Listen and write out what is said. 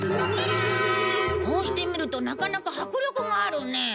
こうして見るとなかなか迫力があるね。